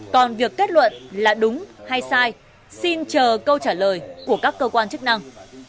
còn việc kết luận là đúng hay sai xin chờ câu trả lời của các cơ quan chức năng